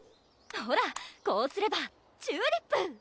ほらこうすればチューリップ！